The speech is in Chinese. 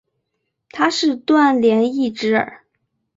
他是段廉义侄儿。